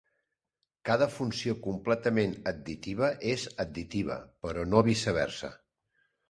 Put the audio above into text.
Cada funció completament additiva és additiva, però no viceversa.